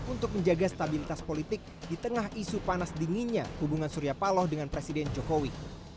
untuk menjaga stabilitas politik di tengah isu panas dinginnya hubungan surya paloh dengan presiden jokowi